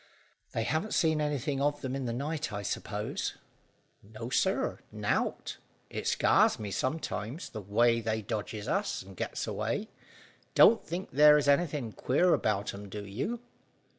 "They haven't seen anything of them in the night, I suppose?" "No, sir; nowt. It scars me sometimes, the way they dodges us, and gets away. Don't think theer's anything queer about 'em, do you?"